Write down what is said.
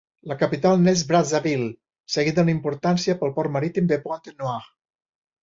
La capital n'és Brazzaville, seguida en importància pel port marítim de Pointe-Noire.